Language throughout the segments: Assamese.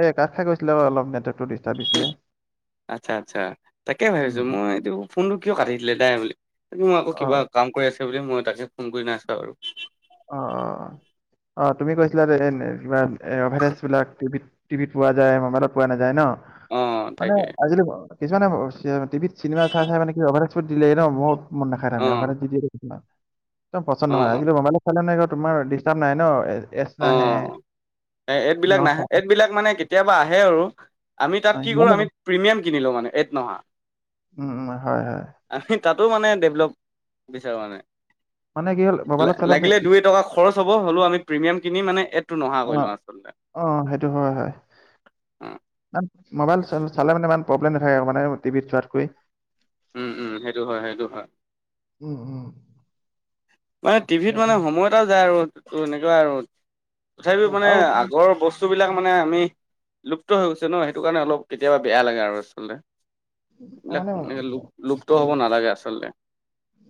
এ কাট খাই গৈছিলে আৰু অলপ নেটৱৰ্কতটো ডিষ্টাৰ্ব দিছিলে। আচ্ছা, আচ্ছা তাকে উম, ভাবিছোঁ মই এইটো ফোনটো কিয় কাটিছিলে দাই বুলি তাকে মই আকৌ অ কিবা কাম কৰি আছে বুলি মই তাকে ফোন কৰি নাছো আৰু। অ', অ', অ', তুমি কৈছিলা যে কিবা এ অভ বিলাক টিভিত পোৱা যায় মোবাইলত পোৱা নাযায় ন। অ মানে তাকে আজিকালি কিছুমানে টিভিত চিনেমা চাই, চাই মানে [unintelligible] দিলে ন ম মন নাখাই তাৰ অ মানে মোবাইলত যি টিএকদম পচন্দ অ নহয় অ আজিকালি মোবাইলত নাই তোমাৰ ডিষ্টাৰ্ব নাই ন এছ অ নাহে। এ এডবিলাক নাহে এডবিলাক মানে কেতিয়াবা আহে আৰু। আমি তাত কি কৰো সিমানে আমি কম। প্ৰিমিয়াম কিনিলোঁ মানে এট নহা। উম উম হয় হয় আমি তাতো মানে ডেভলপ বিচাৰো মানে মানে কি হ'ল মোবাইলত চালে মানে লাগিলে দুই টকা খৰচ হ'ব হ'লেও আমি প্ৰিমিয়াম কিনি মানে এইটো নোহা অ কৰি লওঁ আচলতে। অ', সেইটো হয়, হয়। অ, মোবাইল চ চালে মানে ইমান প্ৰব্লেম নাথাকে মানে টিভিত চোৱাতকৰি। উম, উম সেইটো হয়, সেইটো হয়। উম, উম। মানে টিভিত মানে সময় এটা যায় আৰু এনেকুৱা আৰু। তথাপিও মানে আৰু আগৰ বস বস্তুবলাক মানে আমি লুপ্ত হৈ গৈছে ন। সেইটো কাৰণে অলপ কেতিয়াবা বেয়া লাগে আৰু আচলতে। এইবিলাক মানে লুপ লুপ্ত হব নালাগে আচলতে।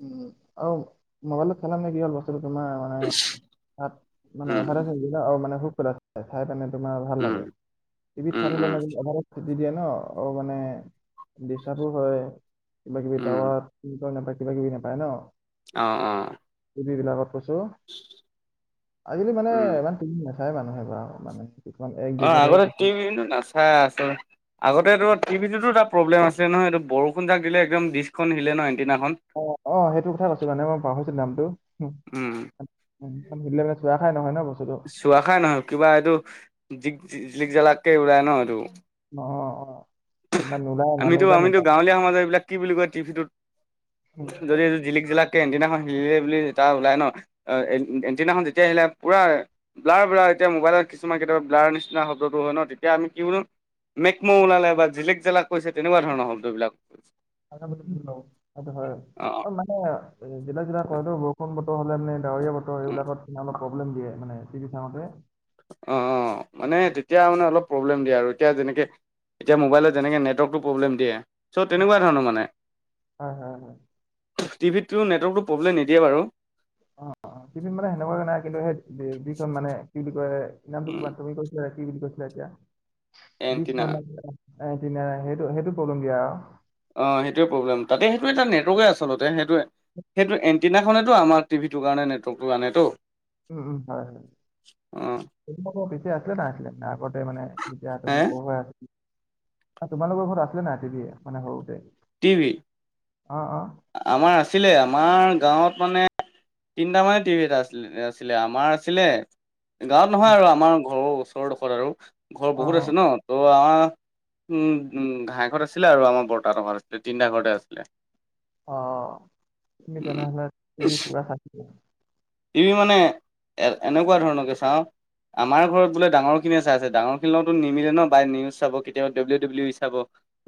উম। আৰু মোবাইলত খেলা মানে কি হ'ল, বস্তুটো তোমাৰ মানে তাত মানে উম অভাৰে [unintelligible] আৰু মানে [unintelligible] চাই কেনে তোমাৰ ভাল উম লাগে। টিভিত চাই উম থাকিলে উম মানে কি অভাৰে [unintelligible] ন আৰু মানে ডিষ্টাৰ্বো হয়। কিবা কিবি উম টাৱাৰ নাপায়। কিবা কিবি নাপায় ন। অ'। অ'। [unintelligible] বিলাকত কৈছো। আজিকালি মানে উম ইমান ফ্লীম নাচায় মানুহে বাও মানে। কিছুমান এক অ দুঘৰে আগতে কিছুমান টিভি নো নাচাই আছ আগতেটো টিভিটোতো এটা প্ৰব্লেম আছে নহয়, এইটো বৰষুণযাক দিলে একদম ডিছখন হিলে ন এণ্টিনাখন। অহ। অহ। হেইটো কথাই কৈছোঁ। মানে মই পাহৰিছো নামটো উম। [unintelligible] [unintelligible] খাই নহয় ন বস্তুটো। চোৱা খাই নহয়। কিবা এইটো জিক জিলিক-জালাককে ওলাই ন এইটো। অ। অ। ইমান নোলায় আমিতো মানুহবিলাক নোলায় আমিতো গাঁৱলীয়া সমাজৰ। এইবিলাক কি বুলি কয় টিভিটোত যদি এইটো জিলিক-জালাক কে এণ্টিনাখন হিলিলে বুলি যেতিয়া ওলাই ন। এণ্টিনাখন যেতিয়া হিলে পুৰা ব্লাৰ। ব্লাৰ। এতিয়া মোবাইলত কিছুমান কেতিয়াবা ব্লাৰ নিচিনা শব্দটো হয় ন, তেতিয়া আমি কি বুলো মেকম' ওলালে বা জিলিক-জালাক কৰিছে, তেনেকুৱা ধৰণৰ শব্দবিলাক [unintelligible] কথাটো হয়। অ' মানে জিলিক-জালাক কৰেতো, বৰষুণ বতৰ হলে মানে ডাৱৰীয়া বতৰ অ এইবিলাকত মানে অলপ প্ৰব্লেম দিয়ে মানে চি ডি চাওতে। অহ। অহ। মানে তেতিয়া মানে অলপ প্ৰব্লেম দিয়ে আৰু এতিয়া যেনেকে, এতিয়া মোবাইলত যেনেকে নেটৱৰ্কটো প্ৰব্লেম দিয়ে। চ' উম, তেনেকুৱা ধৰণৰ মানে। হয় হয় হয়। টিভিতটো নেটৱৰ্কটো প্ৰব্লেম নিদিয়ে বাৰু। অ'। অ'। কিন্তু মানে হেনেকুৱাকে নাই। কিন্তু সেই কি কয়, মানে কি বুলি উম কয় তুমি কৈ কি কয়, কি বুলি কৈছিলা এতিয়া এণ্টিনা [unintelligible] এন্টিনাৰা। হেইটো হেইটো প্ৰব্লেম দিয়ে আও। অহ। হেইটোৱে প্ৰব্লেম। তাতে হেইটো এটা নেটৱৰ্কে আচলতে। হেইটো হেইটো এন -টিনাখনেতো আমাৰ টিভিটোৰ কাৰণে নেটৱৰ্কটো আনেটো। উম। উম। হয়। হয়। অহ। [unintelligible] পিছে আছে না আছিলে, আগতে মানে যেতিয়া হে তুমি সৰু হৈ আছ তোমালোকৰ ঘৰত আছিলে নাই, টিভি মানে সৰুতে? টিভি। অ অ। আমাৰ আছিলে। আমাৰ গাঁৱত মানে তিনিটা মানে টিভি এটা আ আছিলে। আমাৰ আছিলে গাঁৱত নহয় উম, আৰু। আমাৰ ঘৰৰ ওচৰৰ ডোখৰত আৰু। ঘৰ অ বহুত অ আছে ন। ত' আ ও ও ঘাঁই ঘৰত আছিলে। আৰু আমাৰ বৰ্তা ঘৰত আছিলে। তিনিটা ঘৰ আছিল। অহ। উম তেনেহ'লে [unintelligible] টিভি মানে এনেকুৱা ধৰণকে চাওঁ আমাৰ ঘৰত বোলে ডাঙৰখিনিয়ে চাই আছে, ডাঙৰখিনিৰ লগততো নিমিলে ন। বাই নিউজ চাব, কেতিয়ালা ডাব্লিউ -ডাব্লিউ ই চাব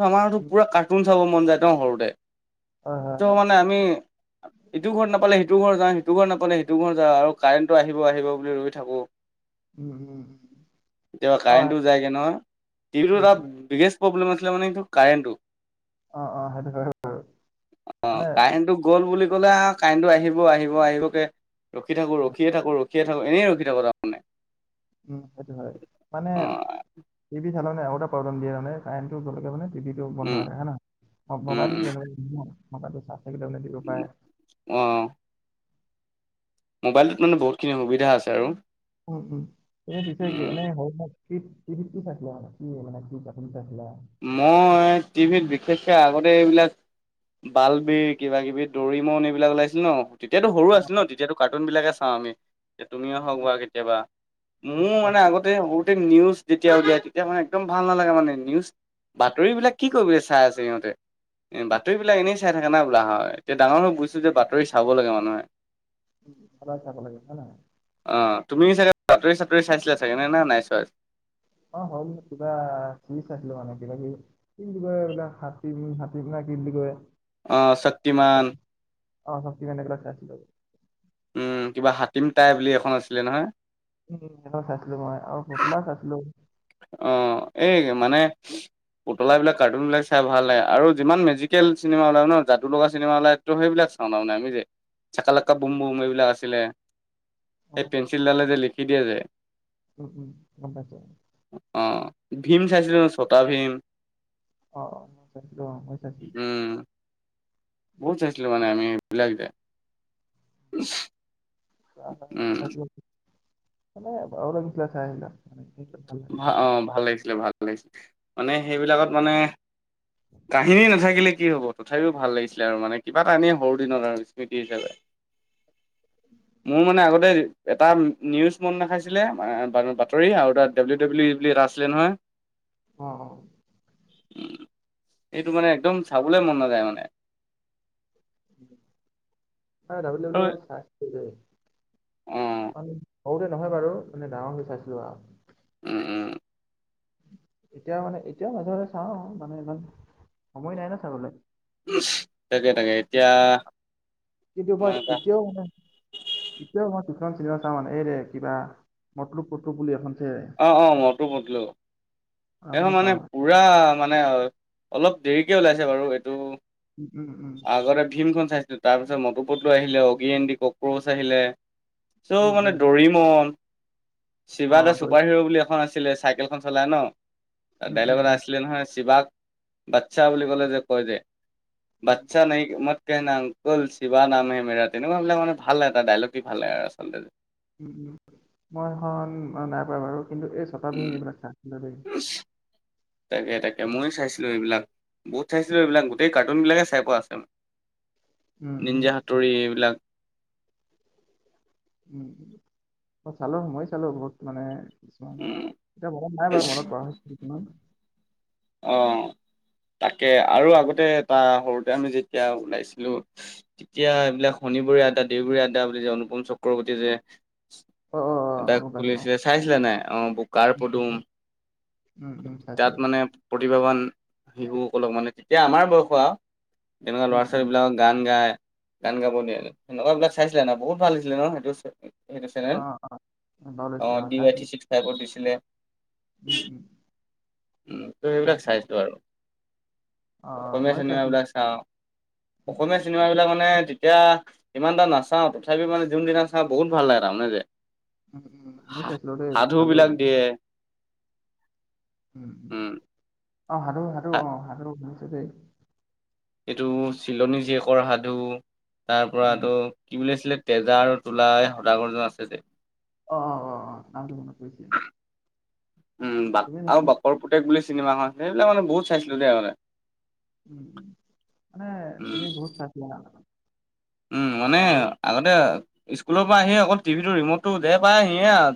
আমাৰতো পুৰা কাৰ্টুন চাব মন যায় ন সৰুতে হয়। হয়। ত' হয় মানে আমি ইটো ঘৰত নাপালে, সিটো ঘৰ যাওঁ। সিটো ঘৰ নাপালে, সিটো ঘৰ যাওঁ। আৰু কাৰেণ্টটো আহিব -আহিব বুলি ৰৈ থাকো। [inaudible] উম কেতিয়াবা অ কাৰেণ্টটো যায়গে নহয়। টিভিটো উম এটা উম। বিগেষ্ট প্ৰব্লেম আছিলে মানে এইটো কাৰেণ্টটো। অহ', অহ' সেইটো হয় বাৰু। অহ, কাৰেণ্টটো গ'ল বুলি ক'লে, কাৰেণ্টটো আহিব-আহিব আহিবকে ৰখি থাকো, ৰখিয়ে থাকো, ৰখিয়ে থাকো, এনেই ৰখি থাকো তাৰমানে। সেইটো হয়, মানে অ টিভি চালে মিনে আৰু এটা প্ৰব্লেম দিয়ে মানে কাৰেন্টোটো ভালকে মানে টিভিটো বন্ধ উম হয়, হয়নে নহয়? উম মোবাইলটো উম তেনেকুৱা, মোবাইলটো চাৰ্জ থাকিলেও মানে দিব পাৰে। অহ। মোবাইলটোত মানে বহুতখিনি সুবিধা আছে আৰু। উম', উম'। তুমি পিছে কি উম এনেই টিভি কি চাইছিলা মানে, কি মানে কি কাৰ্টোন চাইছিলা। মই টিভিত বিশেষকে আগতে এইবিলাক বাল বিৰ কিবা-কিবি দৰিমন এইবিলাক ওলাইছিল ন'। তেতিয়াতো সৰু আছিল ন' তেতিয়ো কাৰ্টুনবিলাকে চাওঁ আমি। তুমিও হওঁক বা কেতিয়াবা। মোৰ বা মানে কি আগত সৰুতে নিউজ যেতিয়া উলিয়াই তেতিয়া মানে একদম ভাল নালাগে মানে নিউজ বাতৰিবিলাক কি কৰিবলৈ চাই আছে ইহঁতে, এ বাতৰিবিলাক এনেই চাই থাকে না। লা হয়। এতিয়া ডাঙৰ মক বুজিছোঁ যে বাতৰি চাব লাগে মানুহে। সদায় চাব লাগে হয় নহয়? অহ, তুমি চাগে বাতৰি-চাতৰি চাইছিলা চাগে নে নাই চোৱা। অহ, হ'ল কিবা চিজ আছিলোঁ মানে কিবা-কিবি কি বুলি কয়, এইবিলাক হাতীম-হাকীম না কি বুলি কয়। অহ, শক্তিমান। অহ, শক্তিমান এইবিলাক চাইছিলোঁ। উম, কিবা হাতীম তাই বুলি এখন আছিলে নহয়। উম', অহ' চাইছিলোঁ মই আৰু পুতলা চাইছিলোঁ। অহ, এই মানে পুতলাবিলাক কাৰ্টুনবিলাক চাই ভাল লাগে আৰু যি মেজিক চিনেমা ওলায় ন' জাদু লগা চিনেমা ওলায়। ত' সেইবিলাক চাওঁ তাৰমানে আমি যে চাক লকা বুম-বুম এইবিলাক আছিলে। এই পেঞ্চিলডালে যে লিখি দিয়ে যে। উম', উম' গম পাইছোঁ। অহ, ভীম চাইছিলোঁ ন' ছটা ভীম। অহ', অহ' মই চাইছিলোঁ অহ, মই চাইছিলোঁ। উম বহুত চাইছিলোঁ মানে আমিবিলাক যে। অহ, উম চাইছিলোঁ মানে আৰু ভালো লাগিছিল চাই সেইবিলাক। মানে ভাল লাগে ভা চাই। অহ, ভাল লাগিছিলে, ভাল লাগিছিলে, মানে সেইবিলাকত মানে কাহিনী নাথাকিলে কি হ'ব। তথাপিওঁ ভাল লাগিছিলে আৰু মানে কিবা এটা এনেই সৰু দিনত আৰু স্মৃতি হিচাপে। মোৰ মানে আগতে এটা নিউজ মন নাখাইছিলে, বা-বাতৰি আৰু এটা ডাব্লউ-ডাব্লিউ ই বুলি এটা আছিলে নহয়। অহ', অহ'। উম, এইটো মানে একদম চাবলৈ মন নাযায় মানে। মই আৰু ডাব্লউ-ডাব্লিউ চাইছিলোঁ। অ সৰুতে নহয় বাৰু মানে ডাঙৰ হৈ চাইছিলোঁ আৰু। উম', উম'। এতিয়া মানে, এতিয়াও মাজে-মাজে চাওঁ মানে ইমান সময় নাই ন' চাবলৈ। তাকে-তাকে এতিয়া কিন্তু মই তোমাৰ এটা এতিয়াও মানে এতিয়াও মই কিছমান চিনিমা চাওঁ মানে এই ৰে কিবা মটো পটলু বুলি এখন যে অ অ মইতো বদলো আৰু এইখন মানে চাওঁ। পুৰা মানে অলপ দেৰিকে ওলাইছে বাৰু এইটো। উম, উম, উম, আগতে ভীমখন চাইছিলোঁ, তাৰপিছত মটুপটলো আহিলে, অগি এণ্ড কক্ৰচ আহিলে। চৌ উম, মানে উম, দৰিমন চিবা দা অ', চু দৈ- [unintelligible] বুলি এখন আছিলে চাইকেলখন চলাই ন উম, ডাইলক উম, এটা উম, আছিলে নহয় চিৱাক বাচ্ছা বুলি ক'লে যে কয় যে উম। বাচ্ছা নেই মই আংকুল শিবা নাম হে মেৰা তেনেকুৱাবিলাক মানে ভাল লাগে তাৰ ডাইলগ কি ভাল লাগে আৰু আচলতে। উম উম মই সেইখন নাই পোৱা বাৰু কিন্তু এই চ উম [unintelligible] তাকে তাকে মইয়ো চাইছিলো সেইবিলাক বহুত চাইছিলো সেইবিলাক গোটেই কাৰ্টুনবিলাকেই চাই পোৱা আছে মোৰ। উম, উম, নিঞ্জা হাতুৰি এইবিলাক। উম, অ চালো মইয়ো চালো বহুত মানে কিছুমান উম এতিয়া মনত নাই বাৰু মনত পৰা কিছুমান। অ তাকে আৰু আগতে এটা সৰুতে আমি যেতিয়া ওলাইছিলো তেতিয়া এইবিলাক শনিবৰীয়া আড্ডা দেওবৰীয়া আড্ডা বুলি যে অনুপম চক্ৰৱৰ্তীয়ে যে অ', অ', অ, তাক গম পাইছোঁ অ'। খুলিছিলে চাইছিলে নাই? অ ব বুকাৰ পদুম উম, উম, তাত চাইছিলোঁ মানে প্ৰতিভাৱান শিশুসকলক মানে তেতিয়া আমাৰ বয়সৰ আও তেনেকুৱা উম, উম, ল'ৰা-ছোৱালীবিলাকক গান গাই গান গাব দিয়ে তেনেকুৱাবিলাক চাইছিলা নে বহুত ভাল লাগিছিলে ন সেইটো চা সেইটো চেনেল অ', বাৰু অ লৈছিলোঁ ডি ৱাই থ্ৰী চাইছিলোঁ ছিক্স ফাইভত দিছিলে। উম উম। অ সেইবিলাক চাইছিলোঁ চাইছো আৰু অ', অ, অসমীয়া ময়ো চাইছিলোঁ চিনেমাবিলাক চাও উম, অসমীয়া চি চিনেমাবিলাক মানে তেতিয়া ইমান এটা নাচাও তথাপিও মানে যোন দিনা চাওঁ বহুত ভাল লাগে তাৰমানে যে। উম মই সা চাইছিলো দেই সেইবোৰ সাধু চালো। বিলাক দিয়ে উম অ সাধু সাধু অ সাধু শুনিছো দেই। এইটো চিলনী জীয়েকৰ সাধু তাৰ পৰা উম, তোৰ কি বুলি আছিলে তেজা আৰু তোলা এই সদাগৰজন আছে যে। অ অ অ অ নামটো মনত পৰিছে। উম বাক তুমি আৰু বাকৰ পুতেক বুলি চিনেমাখন সেইবিলাক মানে বহুত চাইছিলো দেই আগতে। উম উম মানে তুমি উম বহুত চাইছিলা আগতে। উম মানে আগতে স্কুলৰ পৰা আহি অকল টিভিটো ৰিমটটো যে পায় সিয়ে আও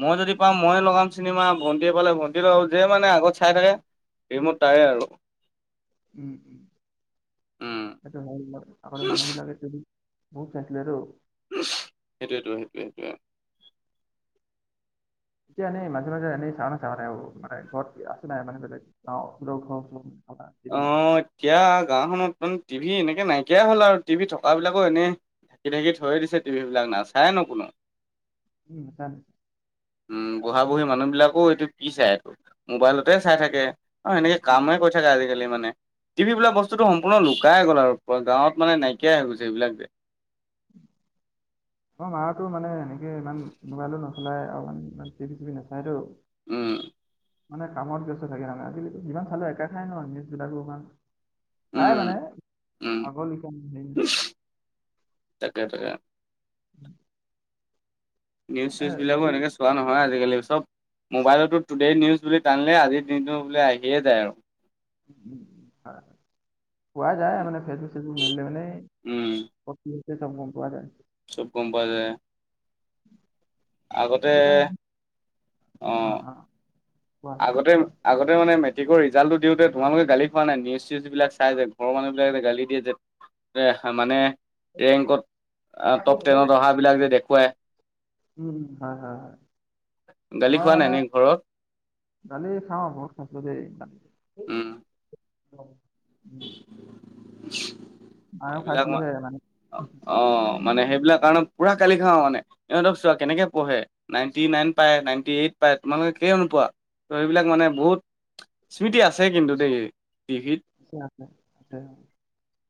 মই যদি পাম মইয়ে লগাম চিনেমা, ভণ্টিয়ে পালে ভণ্টিয়ে লগাব যে মানে আগত চাই থাকে ৰিমত তাৰে আৰু। উম উম উম সেইটো হয় আগতে মানুহবিলাকে যদি বহুত চাইছিলেটো। সেইটোৱটো সেইটোৱে সেইটোৱে। এতিয়া এনেই মাজে মাজে এনেই চাও নেচাও সেইবোৰ মানে ঘৰত আছে নাই মানে ধৰি ল অ সৰ ঘৰ থকা অ টিভি এতিয়া গাঁওখনত চোন টিভি এনেকে নাইকিয়াই হ'ল আৰু টিভি থকা বিলাকো এনেই তেনেকেই থৈয়ে দিছে টিভিবিলাক নাচায়ে ন কোনোও। উম নাচায়। উম বুঢ়া-বুঢ়ী মানুহবিলাকো এইটো কি চাই এইটো মোবাইলতে চাই থাকে অ এনেকে উম কামহে কৰি থাকে আজি লমানে টিভি বিলাক বস্তুটো সম্পূৰ্ণ লুকাই গ'ল আৰু গাঁৱত মানে নাইকিয়াই হৈ গৈছেইবিলাক যে [inaudible] অ হয় আৰু তোৰ মানে এনেকে ইমান মোবাইলো নচলাই আৰু মানে ইমান টিভি-চিভি নাচায়টো। উম। মানে কামত ব্যস্ত থাকে নে আজিকালিটো যিমান চালেও একে কথাই ন নিউজবিলাকৰ কাৰণে। চাই উম মানে উম আগৰ লিখিয়া তাকে তাকে। [unintelligible] মানে নিউজ-চিউজবিলাকো মোবাইলত এনেকে চোৱা নহয় আজিকালি চব মোবাইলটো টুডে নিউজ বুলি টানিলে আজিৰ দিনটো বোলি আহিয়ে যায় আৰু। পোৱা যায় মানে ফেচবুক চেচবুক মেলিলে মানে উম কি হৈছে তাক গ'ম পোৱা নায়। চব গ'ম পাই যায়। আগতে সেইটো কাৰণে অ' কোৱা আগতে আগতে মানে মেট্ৰিকৰ ৰিজাল্ট দিওঁতে তোমালোক গালি খোৱা নাই? নিউজ চিউজবিলাক চায় যে ঘৰৰ মানুহ বিলাকে গালি দিয়ে যে। মানে ৰেংকত টপ টেনত অহা বিলাক যে দেখুৱাই। উম, হয়, হয়, হয়। গালি মই খোৱা নাই মানে নে ঘৰত? উম, [unintelligible] আৰু এইবিলাক মা খাইছিলোহে মানে অ' মানে সেইবিলাক কাৰণত পুৰা গালি খাওঁ, মানে ইহঁতক চোৱা কেনেকে পঢ়ে। নাইনটি নাইন পায়, নাইনটি এইট পায়, তোমালোকে কেলেই নোপোৱা। ত' সেইবিলাক মানে বহুত স্মৃতি আছে কিন্তু দেই টিভিত। আছে, আছে।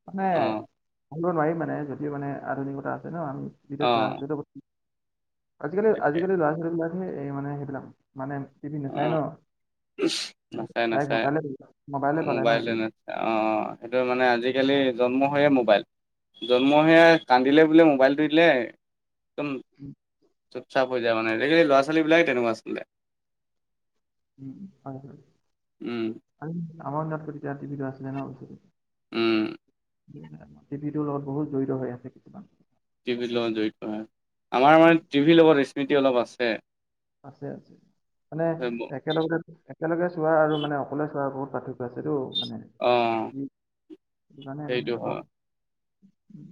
মানে অ', ভাবিব নোৱাৰিম মানে যদিও মানে আধুনিকতা আছে ন। আমি তিয়া চৰা অ', আছিলো, আজিকালি তাকে আজিকালি ল'ৰা ছোৱালীবিলাকে এই মানে সেইবিলাক মানে টিভি নাচায় ন, অ', নাচায় ডাইৰেক্ট মোবাইলে মোবাইলে পালে ন সিহঁতি। অঁ সেইটো মানে আজিকালি জন্ম হয়য়ে মোবাইল। জন্মহৈয়ে কান্দিলে বোলে মোবাইলটো দিলে একদ উম। চুপ চাপ হৈ যায় মানে, আজি কালি ল'ৰা ছাৱালী বিলাক তেনেকুৱা আছিলে। উম, হয়, হয়। উম। আমাৰ দিনাত আকৌ তেতিয়া টিভিটো আছিলে ন, বস্তটো উম। টিভিটোৰ লগ বহুত জড়িত হৈ আছে কিছুমান। টিভিৰ লগত জড়িত হয়, আমাৰ মানে টিভিৰ লগত স্মৃতি অলপ আছে। আছে, আছে মানে একেলগতে একেলগে চোৱা আৰু মানে অকলে চোৱাৰ বহুত পাৰ্থক্য আছেটো মানে। অঁ। জানে, জানে অ' উম।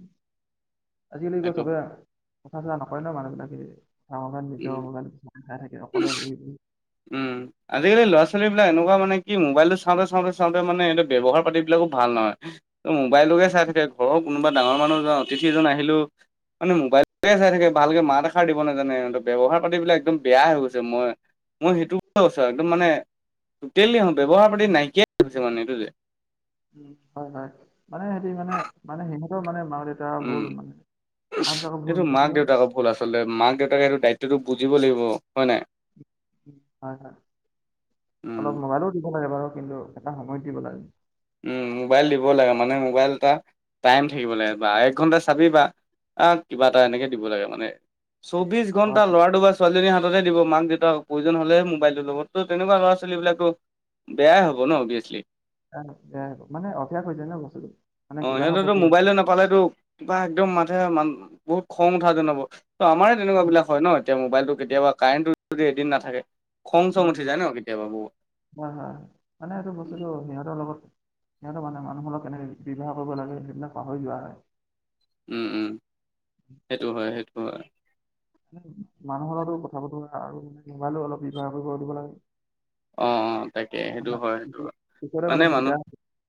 আজিকালি আকৌ সেইটো চবে কথা চথা নকয় ন, মানুহবিলাকে ধ উম নিজৰ মবাইল দেখাই থাকে অকলে বহি বহি। উম। আজিকালি ল'ৰা ছোৱালী বিলাক এনেকুৱা মানে কি মোবাইলটো চাওঁতে চাওঁতে চাওঁতে মানে সিহ'তৰ ব্যৱহাৰ পাতি বিলাকো ভাল নহয়। ত মোবাইলটোকে চাই থাকে ঘৰৰ কোনোবা ডাঙৰ মানুহজন অতিথি এজন আহিলেও মানে মোবাইলটোকে চাই থাকে ভালকে মাত এষাৰ দিব নাজানে, ব্যৱহাৰ পাতিবিলাক একদম বেয়া হৈ গৈছে। মই মই সেইটো কৈছোঁ একদম মানে টোটেলি ব্যৱহাৰ পাতি নাইকিয়াই হৈছে মানে। এইটো যে উম, হয়, হয় মানে সিহ'তে মানে মানে সিহঁতৰ মানে মা দে টা উম ভুল মানে মাক দেউতাকৰ ভুল হ'ল আচলতে মাক দেউতাকে এইটো দায়িত্বটো বুজিব লাগিব হয় নে নাই? হয়, হয় উম অলপ মোবাইলো দিব লাগে বাৰু, কিন্তু এটা সময়ত দিব লাগে। উম মোবাইল দিব লাগে, মানে মোবাইল এটা টাইম থাকিব লাগে বা এক ঘণ্টা চাবি বা আহ কিবা এটা এনেকে দিব লাগে মানে, চৌবিছ হয় ঘণ্টা ল'ৰাটো বচ ছোৱালীজনী হাততে দিব, মাক দেউতাক প্ৰয়োজন হ'লেহে মোবাইলটো ল'ব। তো তেনেকুৱা লৰা ছোৱালী বিলাকতো বেয়াই হ'ব ন অবিয়াচলি। বেয়া হ'ব, সেয়াইটো মানে অভ্যাস হৈ যায় ন বস্তুটো। মানে অ' কিবাহৰ সিহঁতৰতো প্ৰতি ম'বাইল না পালেতো বা একদম মাথা মান বহুত খং উঠা যেন হ'ব ত' আমাৰে তেনেকুৱা বিলাক হয় ন? এতিয়া মোবাইলতটো কেতিয়াবা কাৰেণ্টটো যদি এদিন নাথাকে খং চং উম, উঠি যায় ন কেতিয়াবা বহুত। হয়, হয়, হয় মানে এইটো বস্তুতটো সিহঁতৰ লগত সিহঁতে মানে মানুহৰ লগত কেনেক ব্যৱহাৰ কৰিব লাগে সেইবিলাক পাহৰি যোৱা হয়। উম উম সেইটো হয় সেইটো হয়। মানুহৰ লগতো কথা বতৰা আৰু মানে [unintelligible] অলপ ব্যৱহাৰ কৰিব শিকিব অ অ তাকে লাগে। সেইটো হয় সেইটো হয় [unintelligible] মানে দিগদাৰ